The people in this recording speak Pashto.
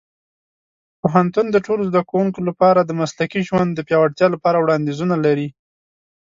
پوهنتون د ټولو زده کوونکو لپاره د مسلکي ژوند د پیاوړتیا لپاره وړاندیزونه لري.